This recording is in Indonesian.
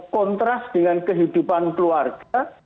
kontras dengan kehidupan keluarga